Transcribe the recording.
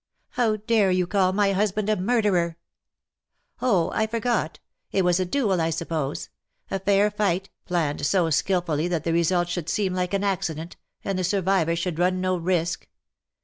" How dare you call my husband a murderer T' ^^ Oh_, I forgot. It was a duel^ I suppose : a fair fight, planned so skilfully that the result should seem like an accident^ and the survivor should run no risk.